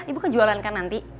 ibu kejualan kan nanti